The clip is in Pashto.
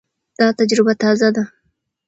دا تجربه تازه ده.